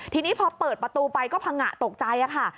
ทีนี้พอเปิดประตูไปก็พังงะตกใจค่ะ